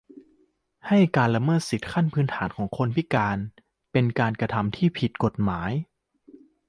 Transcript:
ให้ การละเมิดสิทธิขั้นพื้นฐานของคนพิการ เป็นการกระทำที่ผิดกฎหมาย